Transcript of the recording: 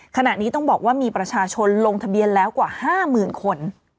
ขณะนี้ต้องบอกว่ามีประชาชนลงทะเบียนแล้วกว่า๕๐๐๐คน